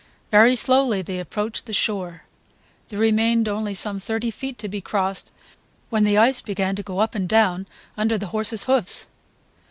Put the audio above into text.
Very slowly they approached the shore; there remained only some thirty feet to be crossed when the ice began to go up and down under the horse's hoofs.